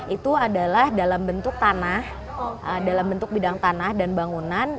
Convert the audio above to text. itu adalah dalam bentuk tanah dalam bentuk bidang tanah dan bangunan